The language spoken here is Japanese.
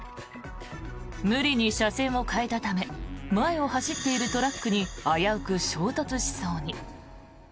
無理に車線を変えたため前を走っているトラックに危うく衝突しそうに。